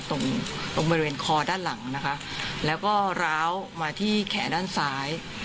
ตรงตรงบริเวณคอด้านหลังนะคะแล้วก็ร้าวมาที่แขนด้านซ้าย